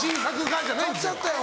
「買っちゃったよ